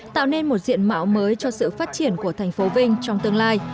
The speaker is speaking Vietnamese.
tạo nên một diện mạo mới cho sự phát triển của thành phố vinh trong tương lai